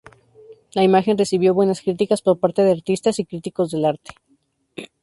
La imagen recibió buenas críticas por parte de artistas y críticos del arte.